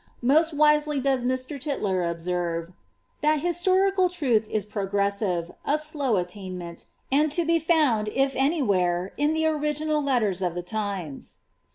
Motft wisely does Mr. Ty^^^^ observe, ^^ tliat historical truth is progressive, of slow attainment, and to be found, if anywhere, in the original letters of the times.''